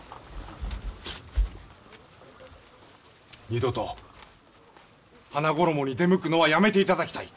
二度と花ごろもに出向くのはやめていただきたい。